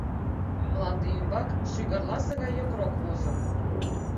Мланде ӱмбак шӱгарласе гай йокрок возо.